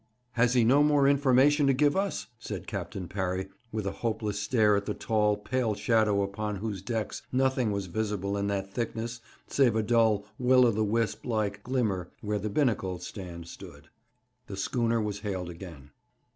'Has he no more information to give us?' said Captain Parry, with a hopeless stare at the tall, pale shadow, upon whose decks nothing was visible in that thickness save a dull, Will o' the wisp like glimmer where the binnacle stand stood. The schooner was hailed again.